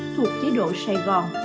thuộc chế độ sài gòn